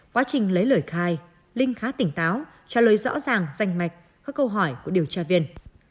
quá trình lấy lời khai linh khá tỉnh táo trả lời rõ ràng danh mạch các câu hỏi của điều tra viên